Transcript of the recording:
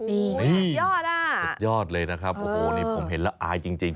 สุดยอดอ่ะสุดยอดเลยนะครับโอ้โหนี่ผมเห็นแล้วอายจริง